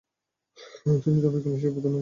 তিনি এর বিকল্প হিসেবে পুতুলনাচকে বেছে নিয়েছিলেন ।